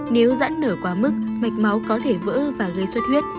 nếu dãn nở quá mức mạch máu có thể vỡ và gây suất huyết